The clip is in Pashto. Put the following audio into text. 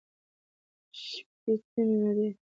شپېتمې مادې